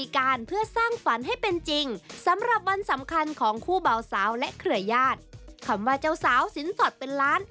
คำว่าเจ้าสาวสินสอดเป็นล้าน